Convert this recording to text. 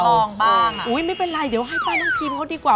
เป็นคนเทสต์ให้เราอุ๊ยไม่เป็นไรเดี๋ยวให้ป้าน้องพีมเขาดีกว่า